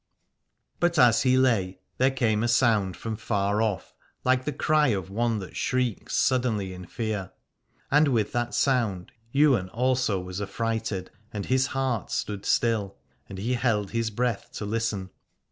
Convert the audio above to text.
But as he lay there came a sound from far off, like the cry of one that shrieks suddenly in fear. And with that sound Ywain also was affrighted, and his heart stood still, and he held his breath to listen.